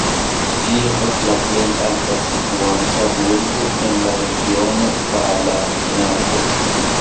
Ĝi estas la plej alte situanta burgo en la regiono Palatinato.